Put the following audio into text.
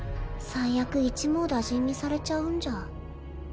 最悪一網打尽にされちゃうんじゃ。